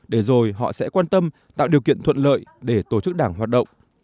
để rồi họ sẽ quan tâm tạo điều kiện thuận lợi để tổ chức đảng hoạt động